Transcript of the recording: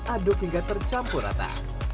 aduk hingga tercampur rata